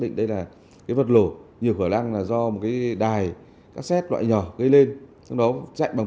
định đây là cái vật lổ nhiều khởi lăng là do một cái đài cassette loại nhỏ gây lên xong đó chạy bằng